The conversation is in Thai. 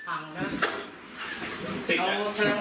อันดับที่สุดท้ายก็จะเป็น